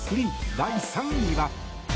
第３位は。